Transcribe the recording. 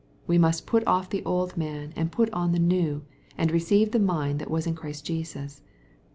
We must put off the old man, and put on the new, and receive the mind that was in Christ Jesus.